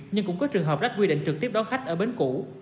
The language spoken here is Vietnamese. nhưng cũng có trường hợp rách quy định trực tiếp đón khách ở bến cũ